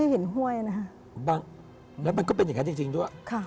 ห้วยบังกอ